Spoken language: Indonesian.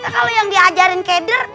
kalo yang diajarin keder